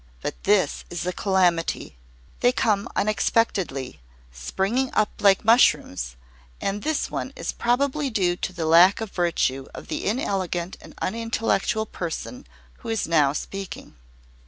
But this is a calamity. They come unexpectedly, springing up like mushrooms, and this one is probably due to the lack of virtue of the inelegant and unintellectual person who is now speaking."